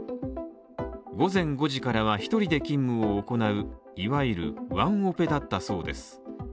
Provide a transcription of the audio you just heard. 午前５時からは１人で勤務を行う、いわゆるワンオペだったそうです。